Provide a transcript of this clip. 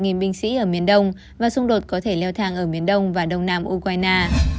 nga có thể đạt được ba mươi binh sĩ ở miền đông và xung đột có thể leo thang ở miền đông và đông nam ukraine